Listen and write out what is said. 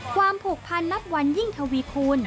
ความผูกพันนับวันยิ่งทวีคูณ